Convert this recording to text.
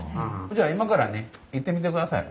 じゃあ今からね行ってみてください。